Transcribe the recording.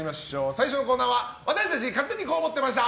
最初のコーナーは私たち勝手にこう思ってました！